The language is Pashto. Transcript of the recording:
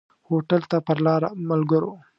هوټل ته پر لاره ملګرو.